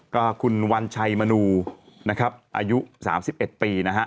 ก็คุณวัญชัยมนูนะครับอายุ๓๑ปีนะฮะ